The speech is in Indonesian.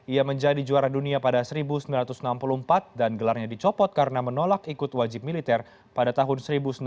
ia menjadi juara dunia pada seribu sembilan ratus enam puluh empat dan gelarnya dicopot karena menolak ikut wajib militer pada tahun seribu sembilan ratus sembilan puluh